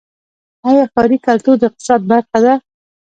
آیا ښاري کلتور د اقتصاد برخه ده؟